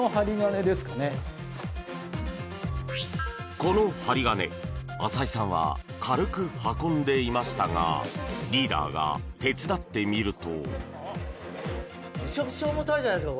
この針金、浅井さんは軽く運んでいましたがリーダーが手伝ってみると。